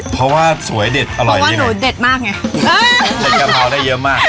เพราะว่าสวยเด็ดอร่อยเลยไงเด็ดกะเพราได้เยอะมาก